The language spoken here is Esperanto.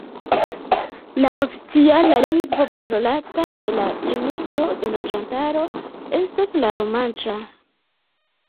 La oficiala lingvo parolata de la plimulto de loĝantaro estas la romanĉa.